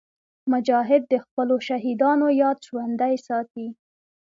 مجاهد د خپلو شهیدانو یاد ژوندي ساتي.